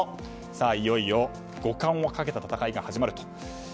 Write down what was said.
いよいよ五冠をかけた戦いが始まると。